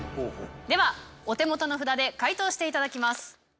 ではお手元の札で回答していただきます。